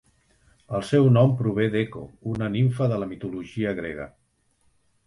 El seu nom prové d'Eco, una nimfa de la mitologia grega.